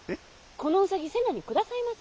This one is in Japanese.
このうさぎ瀬名に下さいませ！